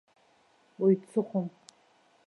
Уаҩ дсыхәом.